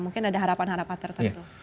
mungkin ada harapan harapan tertentu